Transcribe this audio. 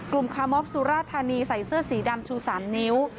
คาร์มอฟสุราธานีใส่เสื้อสีดำชู๓นิ้ว